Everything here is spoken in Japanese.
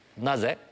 なぜ？